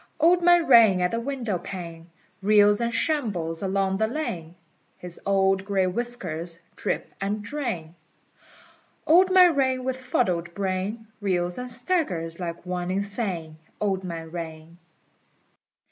Old Man Rain at the windowpane Reels and shambles along the lane: His old gray whiskers drip and drain: Old Man Rain with fuddled brain Reels and staggers like one insane. Old Man Rain.